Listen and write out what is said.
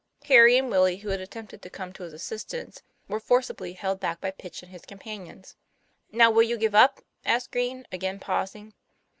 Harry and Willie, who had attempted to come to his assistance, were forcibly held back by Pitch and his companions. 'Now will you give up?" asked Green, again pausing.